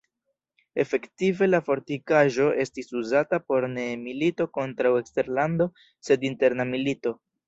Efektive la fortikaĵo estis uzata por ne milito kontraŭ eksterlando sed interna milito.